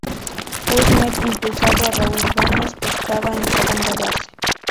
Burnett, impulsando a Raúl Ibáñez que estaba en segunda base.